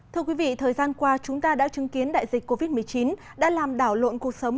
thưa quý vị thời gian qua chúng ta đã chứng kiến đại dịch covid một mươi chín đã làm đảo lộn cuộc sống